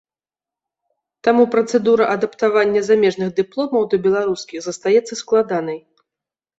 Таму працэдура адаптавання замежных дыпломаў да беларускіх застаецца складанай.